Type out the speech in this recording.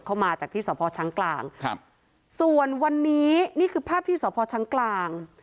สดเข้ามาจากที่สอบพอร์ชั้นกลางครับส่วนวันนี้นี่คือภาพที่สอบพอร์ชั้นกลาง